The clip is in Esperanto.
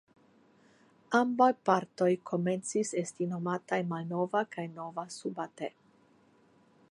Ambaŭ partoj komencis esti nomitaj Malnova kaj Nova Subate.